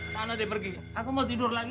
sana dia pergi aku mau tidur lagi